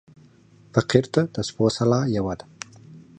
فقير ته د سپو سلا يوه ده.